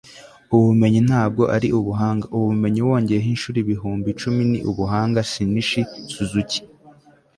ubumenyi ntabwo ari ubuhanga. ubumenyi wongeyeho inshuro ibihumbi icumi ni ubuhanga. shinichi suzuki